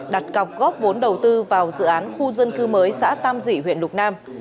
đặt cọc góp vốn đầu tư vào dự án khu dân cư mới xã tam dĩ huyện lục nam